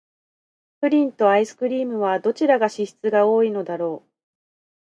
プリンとアイスクリームは、どちらが脂質が多いのだろう。